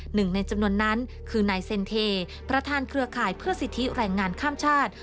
หนึ่งในจำนวนนั้นคือนายเซ็นเทประธานเครือข่ายเพื่อสิทธิแรงงานข้ามชาติ